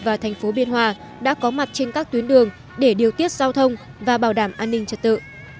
và thành phố biên hòa đã có mặt trên các tuyến đường để điều tiết giao thông và bảo đảm an ninh trật tự